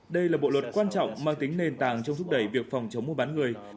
đây là bộ luật quan trọng mang tính nền tảng trong thúc đẩy việc phòng chống mua bán người